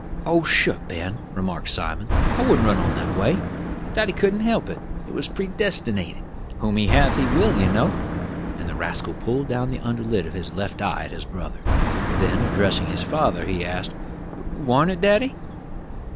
"Oh, shuh, Ben," remarked Simon, "I wouldn't run on that way. Daddy couldn't help it; it was predestinated: 'Whom he hath, he will,' you know," and the rascal pulled down the under lid of his left eye at his brother. Then addressing his father, he asked, "War'n't it, daddy?"